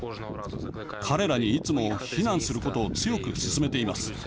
彼らにいつも避難することを強く勧めています。